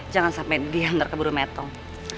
jangan saman dia ngerkebur mermetong